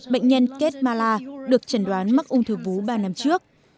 bệnh nhân kate marla được chẩn đoán mắc ung thư vú ba năm trước